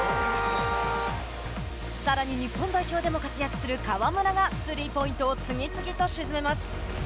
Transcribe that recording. さらに日本代表でも活躍する河村がスリーポイントを次々と沈めます。